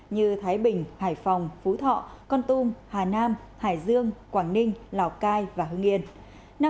như thái bình hải phòng phú thọ con tum hà nam hải dương quảng ninh lào cai và hương yên